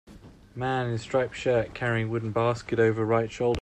man in striped shirt carrying wooden basket over right shoulder